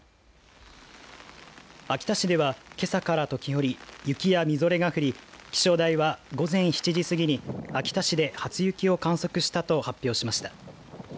秋田市では、けさから時折雪やみぞれが降り気象台は、午前７時過ぎに秋田市で初雪を観測したと発表しました。